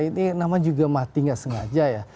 ini nama juga mati nggak sengaja ya